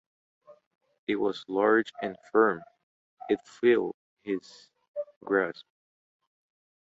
It was large and firm; it filled his grasp.